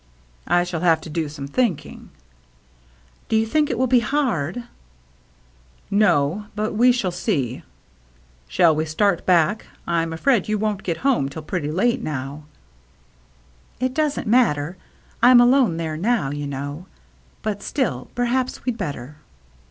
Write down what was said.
" I shall have to do some thinking." " Do you think it will be hard ?"" No, but we shall see. Shall we start back — I'm afraid you won't get home till pretty late, now." " It doesn't matter ; I'm alone there now, you know. But still, perhaps we'd better."